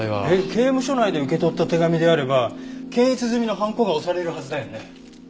えっ刑務所内で受け取った手紙であれば検閲済みのはんこが押されるはずだよね。